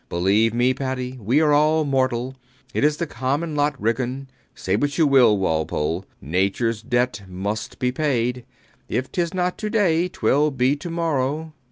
Believe me, Paddy, we are all mortal. It is the common lot, Ridgeon. Say what you will, Walpole, Nature's debt must be paid. If tis not to day, twill be to morrow.